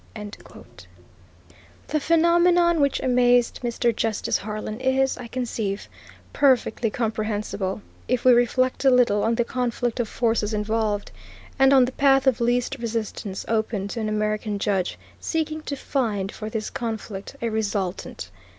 " The phenomenon which amazed Mr. Justice Harlan is, I conceive, perfectly comprehensible, if we reflect a little on the conflict of forces involved, and on the path of least resistance open to an American judge seeking to find for this conflict, a resultant.